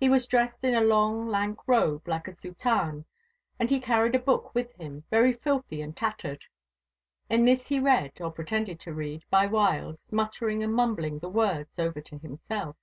He was dressed in a long, lank robe like a soutane, and he carried a book with him, very filthy and tattered. In this he read, or pretended to read, by whiles, muttering and mumbling the words over to himself.